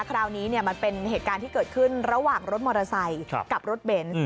คราวนี้มันเป็นเหตุการณ์ที่เกิดขึ้นระหว่างรถมอเตอร์ไซค์กับรถเบนส์